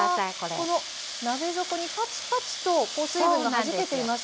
あこの鍋底にパチパチとこう水分がはじけていますけれども。